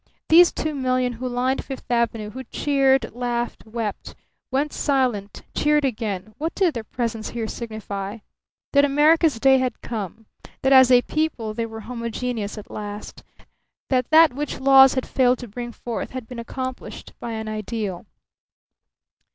These two million who lined Fifth Avenue, who cheered, laughed, wept, went silent, cheered again, what did their presence here signify? That America's day had come; that as a people they were homogeneous at last; that that which laws had failed to bring forth had been accomplished by an ideal.